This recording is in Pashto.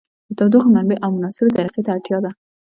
د تودوخې منبع او مناسبې طریقې ته اړتیا ده.